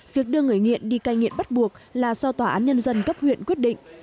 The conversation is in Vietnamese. việc đưa người nghiện đi cai nghiện bắt buộc là do tòa án nhân dân cấp huyện quyết định